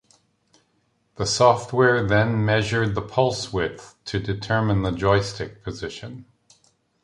The software then measured the pulse width to determine the joystick position.